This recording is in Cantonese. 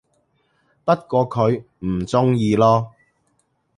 不過佢唔鍾意囉